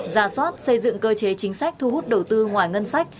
ra soát xây dựng cơ chế chính sách thu hút đầu tư ngoài ngân sách